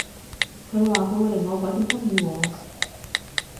佢話佢會令我改變心意喎